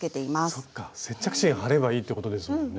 そっか接着芯貼ればいいってことですもんね。